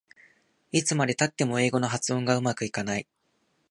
いつまでたっても英語の発音がうまくいかない